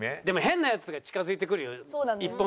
でも変なヤツが近付いてくるよね